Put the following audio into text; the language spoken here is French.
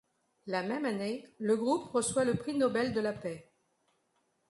La même année, le Groupe reçoit le Prix Nobel de la paix.